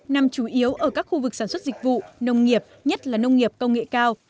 nằm chủ yếu ở các khu vực sản xuất dịch vụ nông nghiệp nhất là nông nghiệp công nghệ cao